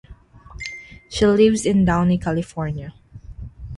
She lives in Downey, California.